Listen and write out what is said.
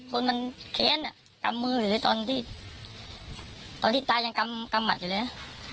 คนมันแค้นอ่ะกำมืออยู่ในตอนที่ตอนที่ตายังกำหมัดอยู่เลย